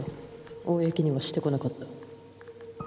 公にはしてこなかった。